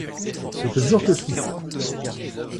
Je te jure que si !